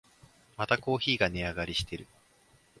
またコーヒーが値上がりしてる